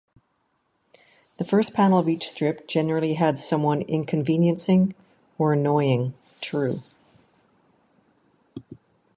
The first panel of each strip generally had someone inconveniencing or annoying True.